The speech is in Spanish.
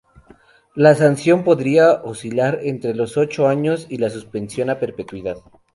La sanción podría oscilar entre los ocho años y la suspensión a perpetuidad.